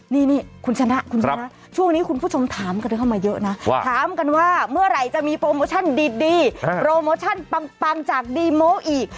นี่คุณชนะคุณชนะช่วงนี้คุณผู้ชมถามกันเข้ามาเยอะนะว่าถามกันว่าเมื่อไหร่จะมีโปรโมชั่นดีโปรโมชั่นปังจากดีโม้อีก